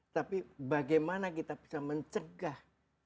tapi bagaimana kita bisa mencegah